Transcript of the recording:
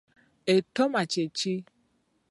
Ettooma kye ki?